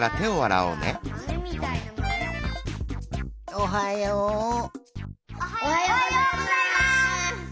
おはようございます！